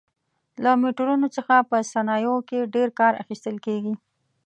له میټرونو څخه په صنایعو کې ډېر کار اخیستل کېږي.